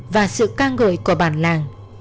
và sự ca ngợi của bản làng